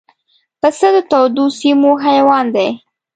پسه د تودو سیمو حیوان دی.